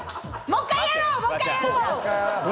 もう１回やろう！